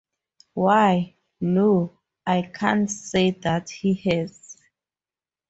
Why, no, I can't say that he has.